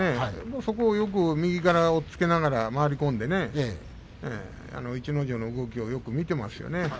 そこを右から押っつけながら回り込んで逸ノ城の動きをよく見ていますよね。